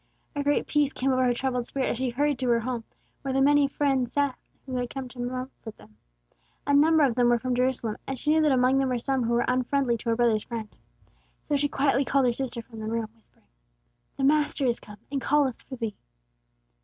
A great peace came over her troubled spirit as she hurried to her home, where the many friends still sat who had come to comfort them. A number of them were from Jerusalem, and she knew that among them were some who were unfriendly to her brother's friend. So she quietly called her sister from the room, whispering, "The Master is come, and calleth for thee!"